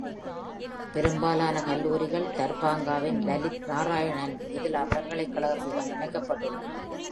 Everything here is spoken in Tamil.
பெரும்பாலான கல்லூரிகள் தர்பங்காவின் லலித் நாராயண் மிதிலா பல்கலைக்கழகத்துடன் இணைக்கப்பட்டுள்ளன.